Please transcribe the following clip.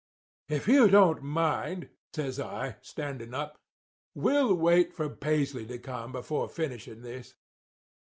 "'If you don't mind,' says I, standing up, 'we'll wait for Paisley to come before finishing this.